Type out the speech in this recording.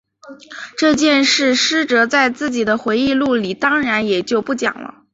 这件事师哲在自己的回忆录里当然也就不讲了。